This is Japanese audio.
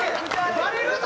バレるぞ！